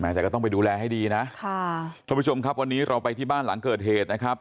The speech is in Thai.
แต่ก็ต้องไปดูแลให้ดีนะค่ะท่านผู้ชมครับวันนี้เราไปที่บ้านหลังเกิดเหตุนะครับ